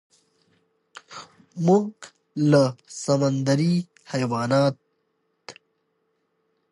مونږ لکه سمندري حيوانات